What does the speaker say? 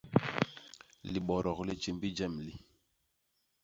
Libodok li tjémbi jem li.